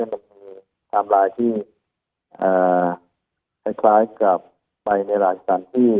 มันมีไทม์ไลน์ที่คล้ายกับไปในหลายสถานที่